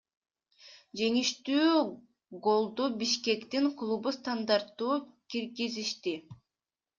Жеңиштүү голду Бишкектин клубу стандарттуу киргизишти.